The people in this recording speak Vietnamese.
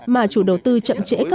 mà chủ đầu tư chậm trễ nâng cao